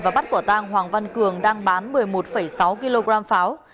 và bắt quả tang hoàng văn cường đang bán một mươi một sáu kg pháo